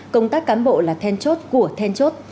công tác cán bộ là then chốt của then chốt